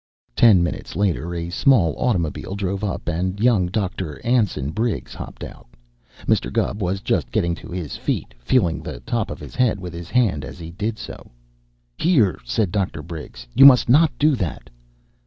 Ten minutes later a small automobile drove up and young Dr. Anson Briggs hopped out. Mr. Gubb was just getting to his feet, feeling the top of his head with his hand as he did so. "Here!" said Dr. Briggs. "You must not do that!"